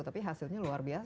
tapi hasilnya luar biasa